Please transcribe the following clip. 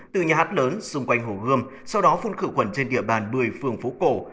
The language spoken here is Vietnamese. từ nhà hát lớn xung quanh hồ gươm sau đó phun khử khuẩn trên địa bàn một mươi phường phố cổ